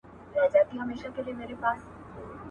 • غوټه چي په لاس خلاصېږي، غاښ ته حاجت نسته.